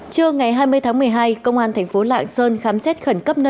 trưa ngày hai mươi tháng một mươi hai công an thành phố lạng sơn khám xét khẩn cấp nơi ở